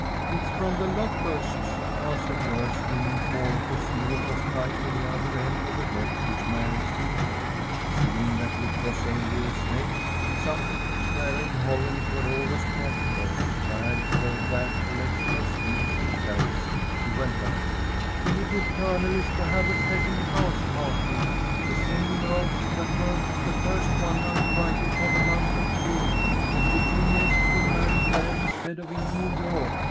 "It is from The Locusts," answered Joyce, leaning forward to see what was tied to the other end of the rope which Mary still held. Seeing that it was only a snake, something which Mary and Holland were always dragging home, to add to their collection of skins and shells, she went on: "The Little Colonel is to have a second house party. The same girls that were at the first one are invited for the month of June, and Eugenia is to be married there instead of in New York.